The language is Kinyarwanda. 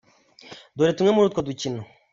Dore tumwe muri utwo dukino :.